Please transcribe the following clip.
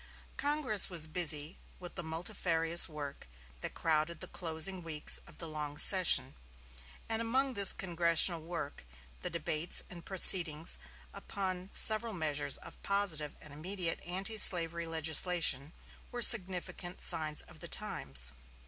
Congress was busy with the multifarious work that crowded the closing weeks of the long session; and among this congressional work the debates and proceedings upon several measures of positive and immediate antislavery legislation were significant "signs of the times."